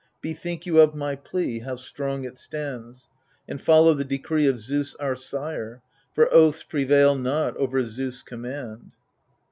Bethink you of my plea, how strong it stands, And follow the decree of Zeus our sire, — For oaths prevail not over Zeus' command.